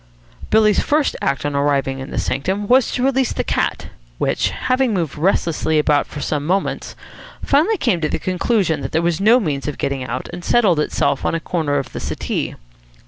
Billy's first act on arriving in this sanctum was to release the cat, which, having moved restlessly about for some moments, finally came to the conclusion that there was no means of getting out, and settled itself on a corner of the settee.